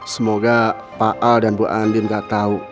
semoga pak al dan bu andin gak tahu